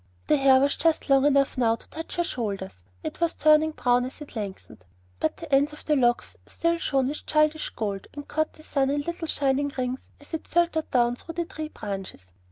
The hair was just long enough now to touch her shoulders; it was turning brown as it lengthened, but the ends of the locks still shone with childish gold, and caught the sun in little shining rings as it filtered down through the tree branches.